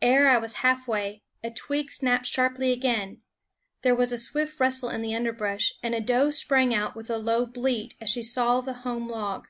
Ere I was halfway, a twig snapped sharply again; there was a swift rustle in the underbrush, and a doe sprang out, with a low bleat as she saw the home log.